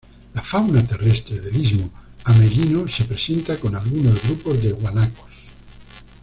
La fauna terrestre del Istmo Ameghino se presenta con algunos grupos de guanacos.